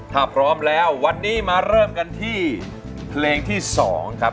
ถ้าพร้อมแล้ววันนี้มาเริ่มกันที่เพลงที่๒ครับ